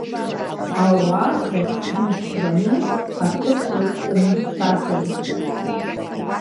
Ауаа рыгәшәымшә баны, ҳаҭыр рықәҵаны срацәажәон.